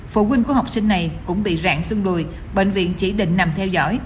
phụ huynh của học sinh này cũng bị rạng xương đùi bệnh viện chỉ định nằm theo dõi